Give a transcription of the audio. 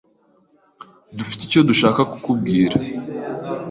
Dufite icyo dushaka kukubwira.